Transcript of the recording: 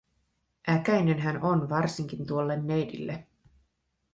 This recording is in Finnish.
Äkäinen hän on, varsinkin tuolle neidille.